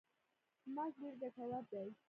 ماش ډیر ګټور دي.